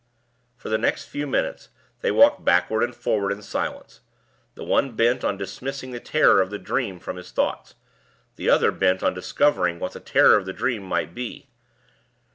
For the next few minutes they walked backward and forward in silence, the one bent on dismissing the terror of the dream from his thoughts, the other bent on discovering what the terror of the dream might be.